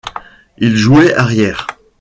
Il jouait arrière.